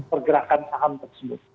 pergerakan saham tersebut